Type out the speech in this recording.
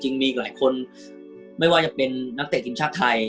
จริงมีก็หลายคนไม่ว่าจะเป็นนักเตะจินชาติไทย